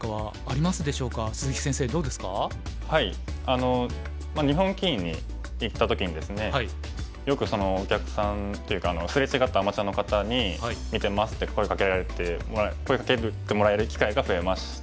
あの日本棋院に行った時にですねよくお客さんっていうかすれ違ったアマチュアの方に「見てます」って声かけてもらえる機会が増えましたね。